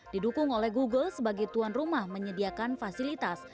didukung oleh google sebagai tuan rumah menyediakan fasilitas